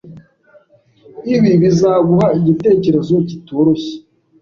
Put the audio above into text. Ibi bizaguha igitekerezo kitoroshye.